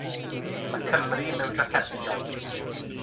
Mae Cymru mewn trafferthion.